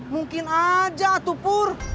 mungkin aja tuh pur